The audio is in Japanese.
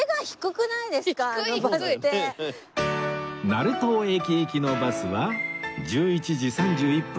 成東駅行きのバスは１１時３１分